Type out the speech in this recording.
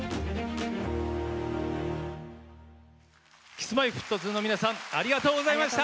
Ｋｉｓ‐Ｍｙ‐Ｆｔ２の皆さんありがとうございました。